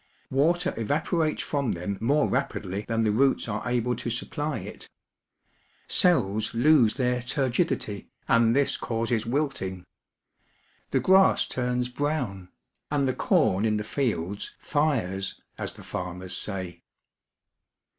Water evaporates from them more rapidly than the roots are able to supply it. Cells lose their turgidity, and this causes wilting. (See page 75.) The grass turns PHYSICS AND CHEMISTRY AND LIFE 117 brown, and the corn in the fields " fires," as the farmers say.